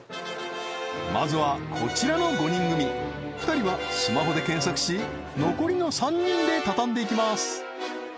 まずはこちらの５人組２人はスマホで検索し残りの３人で畳んでいきます